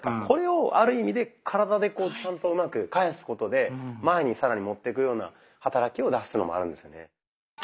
これをある意味で体でこうちゃんとうまく返すことで前に更に持ってくような働きを出すのもあるんですよね。